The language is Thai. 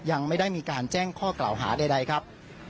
ยังไม่ได้มีการแจ้งข้อกล่าวหาใดครับ